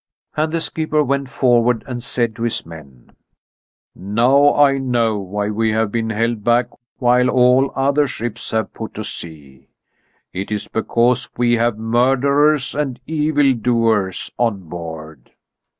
And the skipper went forward and said to his men: "Now I know why we have been held back while all other ships have put to sea. It is because we have murderers and evildoers on board."